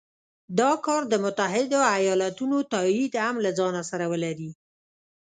دا کار د متحدو ایالتونو تایید هم له ځانه سره ولري.